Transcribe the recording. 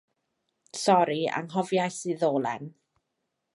Sori, anghofiais y ddolen.